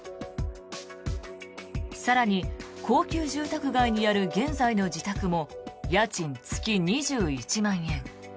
更に高級住宅街にある現在の自宅も家賃月２１万円。